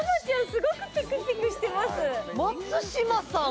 すごくピクピクしてます松嶋さん